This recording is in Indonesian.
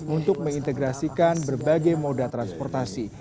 untuk mengintegrasikan berbagai moda transportasi